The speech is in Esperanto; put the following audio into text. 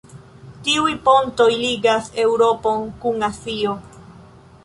Tiuj pontoj ligas Eŭropon kun Azio.